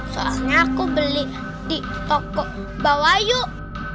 soalnya aku beli di toko bawa yuk